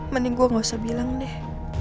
mending gue gak usah bilang deh